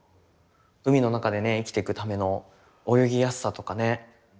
海の中でね生きてくための泳ぎやすさとかね。